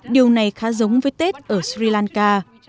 điều này khá giống với tết ở sri lanka